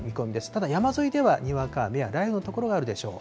ただ、山沿いではにわか雨や雷雨の所があるでしょう。